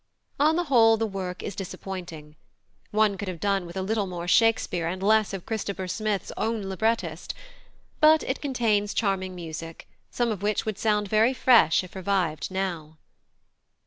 On the whole the work is disappointing. One could have done with a little more Shakespeare and less of Christopher Smith's own librettist; but it contains much charming music, some of which would sound very fresh if revived now.